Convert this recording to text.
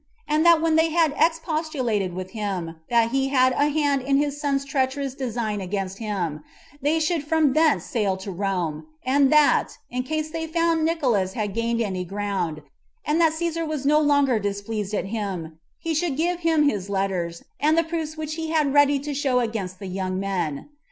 And that when they had ex postulated with him, that he had a hand in his son's treacherous design against him, they should from thence sail to Rome; and that, in case they found Nicolaus had gained any ground, and that Cæsar was no longer displeased at him, he should give him his letters, and the proofs which he had ready to show against the young men.